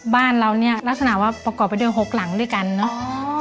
บ้านเราเนี่ยลักษณะว่าประกอบไปด้วย๖หลังด้วยกันเนอะ